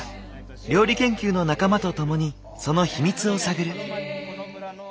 料理研究の仲間と共にその秘密を探る。